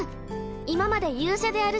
今まで「勇者である」